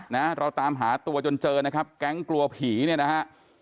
นะเราตามหาตัวจนเจอนะครับแก๊งกลัวผีเนี่ยนะฮะ